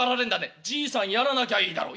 「じいさんやらなきゃいいだろう」。